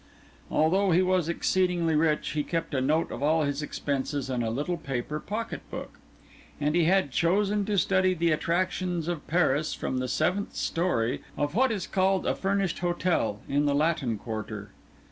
Although he was exceedingly rich, he kept a note of all his expenses in a little paper pocket book; and he had chosen to study the attractions of Paris from the seventh story of what is called a furnished hotel, in the Latin Quarter.